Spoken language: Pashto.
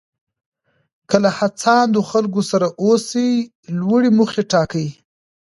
که له هڅاندو خلکو سره اوسئ لوړې موخې ټاکئ.